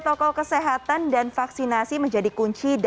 untuk melakukan penyelamatan dan penyelamatan yang sangat penting